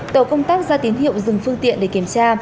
tàu công tác ra tín hiệu dừng phương tiện